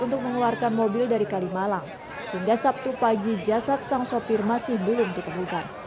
pada saat ini petugas menerjunkan mobil dari kalimalang hingga sabtu pagi jasad sang sopir masih belum ditemukan